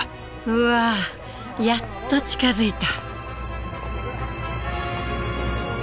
うわやっと近づいた。